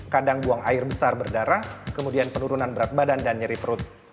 kadang buang air besar berdarah kemudian penurunan berat badan dan nyeri perut